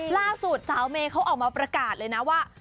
ล่าสุดสาวเมย์เขาออกมาประกาศเลยนะว่า